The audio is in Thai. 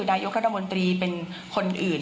นายกรัฐมนตรีเป็นคนอื่น